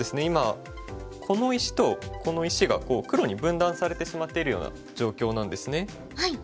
今この石とこの石が黒に分断されてしまっているような状況なんですね。